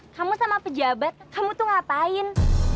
kamu sama pejabat kamu tuh ngapain